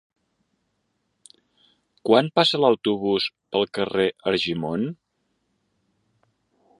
Quan passa l'autobús pel carrer Argimon?